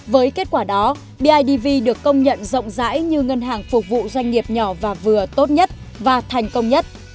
với kết quả đó bidv được công nhận rộng rãi như ngân hàng phục vụ doanh nghiệp nhỏ và vừa tốt nhất và thành công nhất